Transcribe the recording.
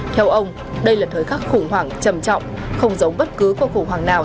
theo ông đây là thời khắc khủng hoảng trầm trọng không giống bất cứ cuộc khủng hoảng nào